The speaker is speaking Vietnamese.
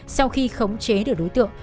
sau khi khống chế được đối tượng